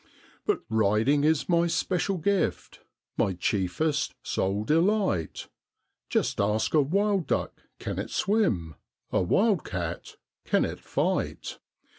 But riding is my special gift, my chiefest, sole delight; Just ask a wild duck can it swim, a wild cat can it fight.